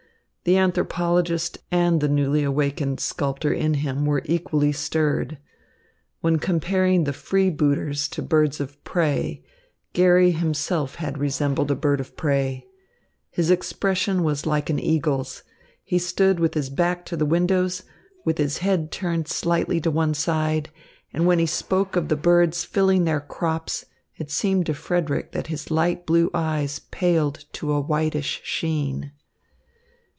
The anthropologist and the newly awakened sculptor in him were equally stirred. When comparing the "freebooters" to birds of prey, Garry himself had resembled a bird of prey. His expression was like an eagle's. He stood with his back to the windows, but with his head turned slightly to one side, and when he spoke of the birds filling their crops, it seemed to Frederick that his light blue eyes paled to a whitish sheen.